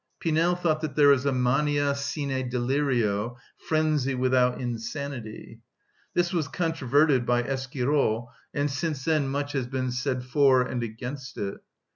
Pinel taught that there is a mania sine delirio, frenzy without insanity. This was controverted by Esquirol, and since then much has been said for and against it.